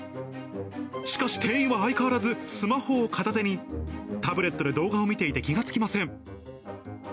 しかし店員は相変わらずスマホを片手に、タブレットで動画を見ていて気がつきません。